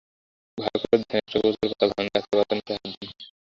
ভালো করে দেখেন, একটা কচুর পাতা ভাঙা আছে, পাতার নিচে হাত দিন।